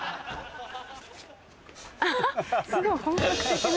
すごい本格的な。